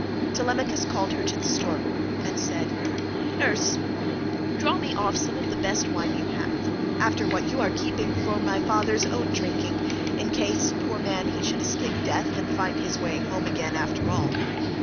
Telemachus called her to the store room and said: "Nurse, draw me off some of the best wine you have, after what you are keeping for my father's own drinking, in case, poor man, he should escape death, and find his way home again after all.